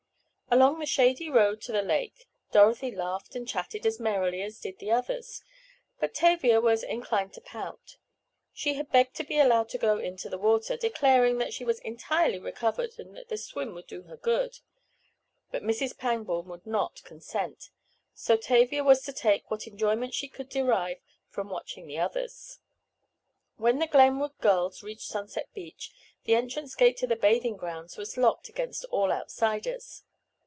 Along the shady road to the lake Dorothy laughed and chatted as merrily as did the others, but Tavia was inclined to pout. She had begged to be allowed to go into the water, declaring that she was entirely recovered and that the swim would do her good. But Mrs. Pangborn would not consent, so Tavia was to take what enjoyment she could derive from watching the others. When the Glenwood girls reached Sunset Beach the entrance gate to the bathing grounds was locked against all outsiders.